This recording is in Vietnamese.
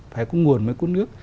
phải có nguồn mới có nước